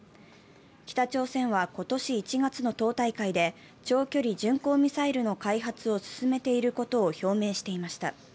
北朝鮮は今年１月の党大会で長距離巡航ミサイルの開発を進めていることを表明していました。